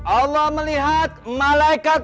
allah melihat malaikat